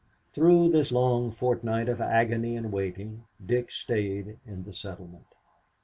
Through this long fortnight of agony and waiting, Dick stayed in the settlement.